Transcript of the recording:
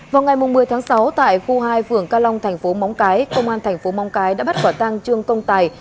vào ngày một mươi tháng sáu tại khu hai phường ca long tp móng cái công an tp móng cái đã bắt quả tăng trương công tài